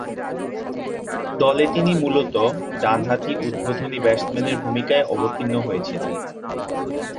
দলে তিনি মূলতঃ ডানহাতি উদ্বোধনী ব্যাটসম্যানের ভূমিকায় অবতীর্ণ হয়েছিলেন।